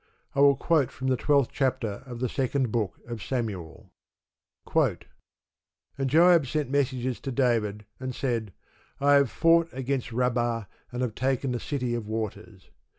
I quote from the twelfth chapter of the Second Book of Samuel: And Joab sent messengers to David, and said, I have fought against Rabbah, and have taken the city of waters.